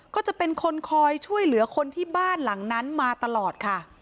ก็จะเป็นคนคอยช่วยเหลือคนที่บ้านหลังนั้นมาตลอดค่ะ